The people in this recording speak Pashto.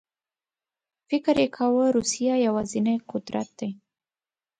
فکر یې کاوه روسیه یوازینی قدرت دی.